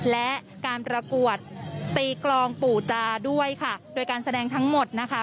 และการประกวดตีกลองปู่จาด้วยค่ะโดยการแสดงทั้งหมดนะคะ